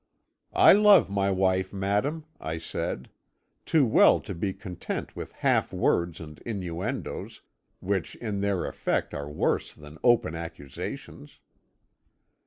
"'I love my wife, madam,' I said, 'too well to be content with half words and innuendoes, which in their effect are worse than open accusations.'